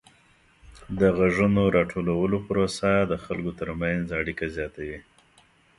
د غږونو راټولولو پروسه د خلکو ترمنځ اړیکه زیاتوي.